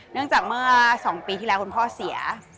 เนื่องจากเมื่อ๒ปีที่แล้วคุณพ่อเสีย